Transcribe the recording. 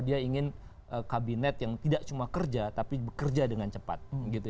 dia ingin kabinet yang tidak cuma kerja tapi bekerja dengan cepat